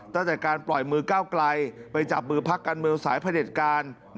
ตั้งแต่การปล่อยมือก้าวไกลไปจับมือพักการเมืองสายพระเด็จการ